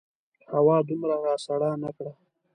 هوا دومره راسړه نه کړه.